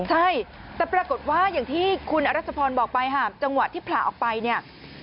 ใช่แต่ปรากฏว่าอย่างที่คุณอรัชพรบอกไปค่ะจังหวะที่ผละออกไปเนี่ย